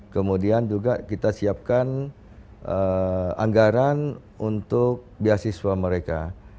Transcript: kemudian juga kita siapkan anggaran untuk beasiswa mereka